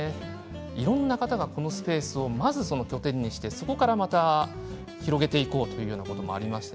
いろんな方がこのスペースをまず拠点にしてそこからまた広げていこうということもあります。